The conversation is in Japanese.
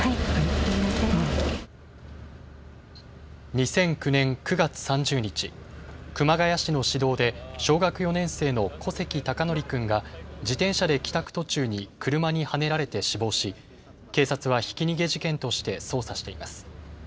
２００９年９月３０日、熊谷市の市道で小学４年生の小関孝徳君が自転車で帰宅途中に車にはねられて死亡し警察はひき逃げ事件として捜査しています。